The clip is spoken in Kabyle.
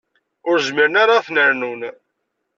Ur zmiren ara ad ten-rnun.